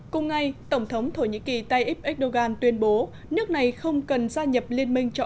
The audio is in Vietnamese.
cùng ngày tổng thống thổ nhĩ kỳ tayyip erdogan tuyên bố nước này không cần gia nhập liên minh cho